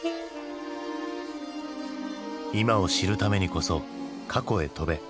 今を知るためにこそ過去へ飛べ。